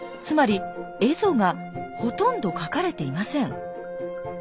つまり蝦夷がほとんど描かれていません。